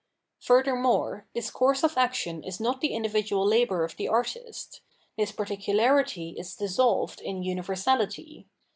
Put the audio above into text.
Furthermore, this course of action is not the individual labour of the artist ; this particu larity is dissolved in universality.